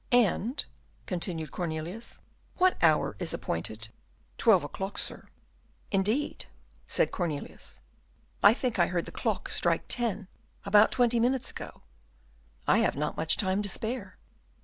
"And," continued Cornelius, "what hour is appointed?" "Twelve o'clock, sir." "Indeed," said Cornelius, "I think I heard the clock strike ten about twenty minutes ago; I have not much time to spare."